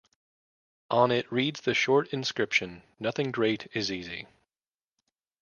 On it reads the short inscription: Nothing great is easy.